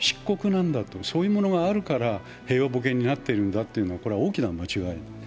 なんだと、そういうものがあるから平和ボケなっているんだというのは大きな間違い。